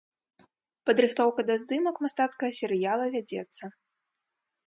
Падрыхтоўка да здымак мастацкага серыяла вядзецца.